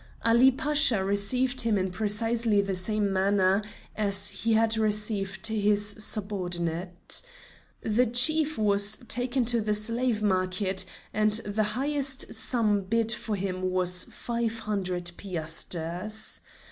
Ali Pasha received him in precisely the same manner as he had received his subordinate. The chief was taken to the slave market, and the highest sum bid for him was five hundred piasters.